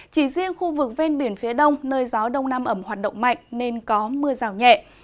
chỉ riêng khu vực ven biển phía đông nơi gió đông nam ẩm hoạt động mạnh nên có mưa rào nhẹ